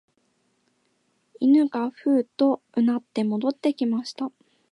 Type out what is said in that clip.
犬がふうと唸って戻ってきました